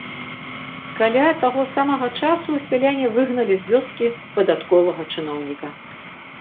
Каля таго самага часу сяляне выгналі з вёскі падатковага чыноўніка.